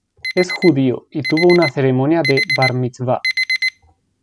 Es judío, y tuvo una ceremonia de Bar Mitzvah.